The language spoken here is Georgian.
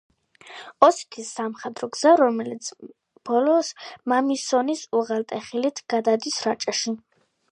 ოსეთის სამხედრო გზა, რომელიც ბოლოს მამისონის უღელტეხილით გადადის რაჭაში.